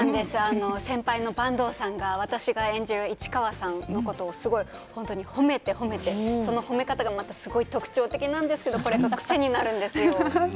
先輩の坂東さんが私が演じる市川さんのことを本当に褒めて褒めて褒め方がまたすごく特徴的なんですけどこれがまた癖になるんですよ。